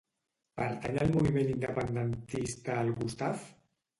Pertany al moviment independentista el Gustaf?